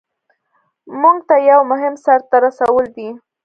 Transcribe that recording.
مونږ ته یو مهم سر ته رسول دي.